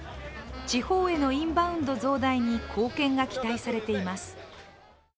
地方へのインバウンド増大に貢献が期待されています。